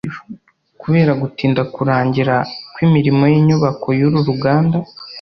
kubera gutinda kurangira kw imirimo y inyubako y uru ruganda